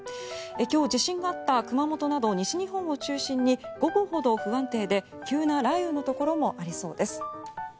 今日、地震があった熊本など西日本を中心に午後ほど不安定で急な雷雨のところもありそうです。